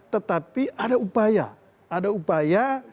tetapi ada upaya